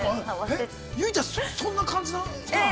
◆結実ちゃん、そんな感じの人なのかい？